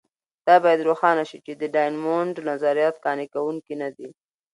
دا باید روښانه شي چې د ډایمونډ نظریات قانع کوونکي نه دي.